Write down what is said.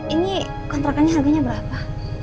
ini kontrakannya harganya berapa